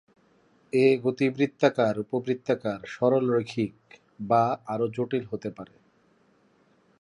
এ গতি বৃত্তাকার, উপবৃত্তাকার, সরল রৈখিক বা আরো জটিল হতে পারে।